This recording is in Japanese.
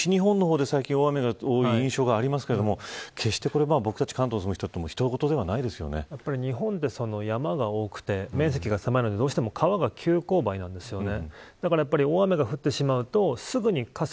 西日本の方では、最近大雨が多い印象がありますが決して僕たち関東に住む人たちにとっても日本は山が多くて面積が狭いのでどうしても川が急勾配なんですね。